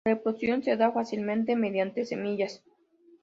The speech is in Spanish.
La reproducción se da fácilmente mediante semillas.